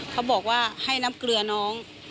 เขาบอกว่าให้น้ำเกลือน้อง